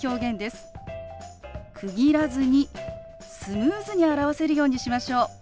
区切らずにスムーズに表せるようにしましょう。